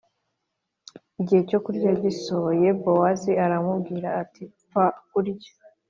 Igihe cyo kurya gisohoye Bowazi aramubwira ati mfa kurya